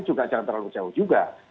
juga jangan terlalu jauh juga